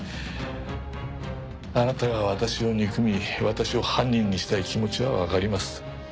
あなたが私を憎み私を犯人にしたい気持ちはわかります。